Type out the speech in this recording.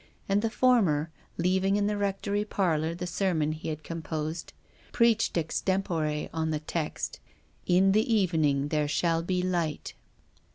And the former, leaving in the rectory parlour the ser mon he had composed, preached extempore on the text, " In the evening there shall be light."